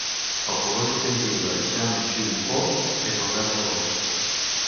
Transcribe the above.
El color distintiu de Sham Shui Po és el verd blavós.